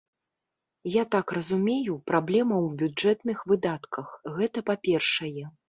Я так разумею, праблема ў бюджэтных выдатках, гэта па-першае.